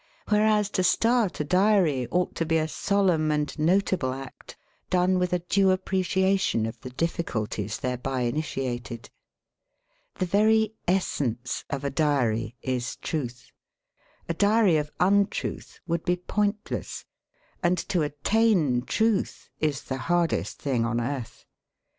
Whereas to start a diary ought to be a solemn and notable act, done with a due appreciation of the difficulties thereby initiated. The very es sence of a diary is truth — a diary of untruth would be pointless— and to attain truth is the hardest thing on earth.